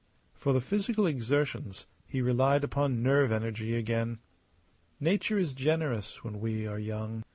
For the physical exertions he relied upon nerve energy again. Nature is generous when we are young.